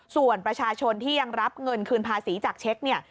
ส่วนประชาชนที่ยังรับเงินคืนภาษีจากเช็คเนี่ย